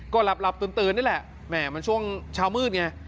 ก็หลับตื่นนี่แหละแหม่มันช่วงเช้ามืดไง